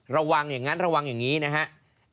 ระวังอย่างนั้นระวังอย่างนี้นะครับ